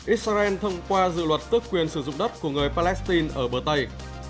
israel thông qua dự luật tước quyền sử dụng đất của người palestine ở bờ tây